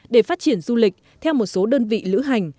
để phát triển du lịch theo một số đơn vị lữ hành